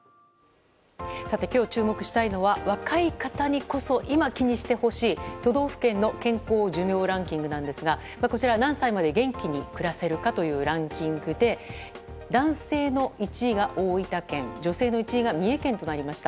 今日、注目したいのは若い方にこそ今、気にしてほしい都道府県の健康寿命ランキングですが何歳まで元気に暮らせるかというランキングで男性の１位が大分県女性の１位が三重県となりました。